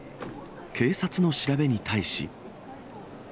警察の調べに対し。